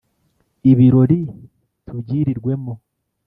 Ibirori tubyirirwemo